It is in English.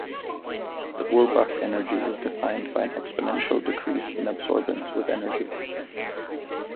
The Urbach Energy is defined by an exponential increase in absorbance with energy.